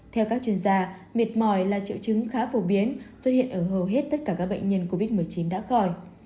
theo các chuyên gia mệt mỏi là triệu chứng khá phổ biến xuất hiện ở hầu hết tất cả các bệnh nhân covid một mươi chín đã khỏi